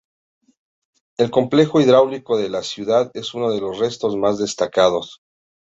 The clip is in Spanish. El complejo hidráulico de la ciudad es uno de los restos más destacados.